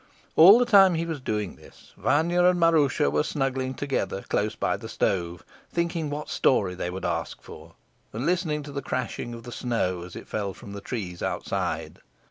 All the time he was doing this Vanya and Maroosia were snuggling together close by the stove, thinking what story they would ask for, and listening to the crashing of the snow as it fell from the trees outside.